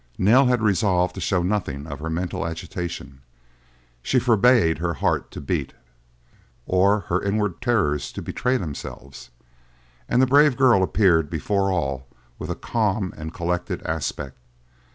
Nell had resolved to show nothing of her mental agitation; she forbade her heart to beat, or her inward terrors to betray themselves, and the brave girl appeared before all with a calm and collected aspect.